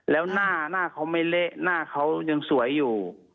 แล้วหน้าเขาไม่เละหน้าเขายังสวยอยู่